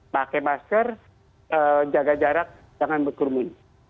pakai masker jaga jarak jangan berkerumun